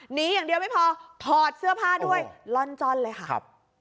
หนีอย่างเดียวไม่พอถอดเสื้อผ้าด้วยล่อนจ้อนเลยค่ะครับ